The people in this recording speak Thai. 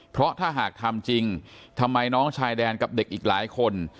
เพราะถ้าหากทำจริงทำไมน้องชายแดนกับเด็กอีกหลายคน